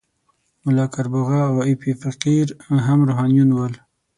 ملا کربوغه او ایپی فقیر هم روحانیون ول.